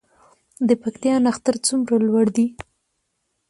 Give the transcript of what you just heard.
د پکتیا نښتر څومره لوړ دي؟